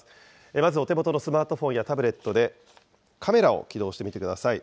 まずお手元のスマートフォンやタブレットで、カメラを起動してみてください。